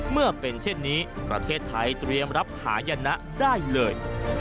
เมื่อเป็นเช่นนี้ประเทศไทยเตรียมรับหายนะได้เลย